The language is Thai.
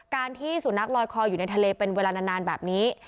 ที่สุนัขลอยคออยู่ในทะเลเป็นเวลานานแบบนี้